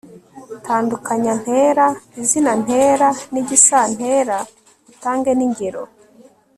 tandukanya ntera, izina ntera n'igisantera utangen'ingero